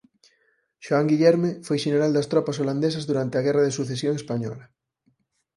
Xoán Guillerme foi xeneral das tropas holandesas durante a guerra de Sucesión Española.